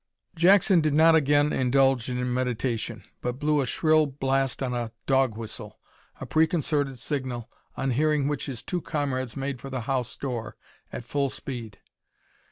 Jackson did not again indulge in meditation, but blew a shrill blast on a dog whistle a preconcerted signal on hearing which his two comrades made for the house door at full speed.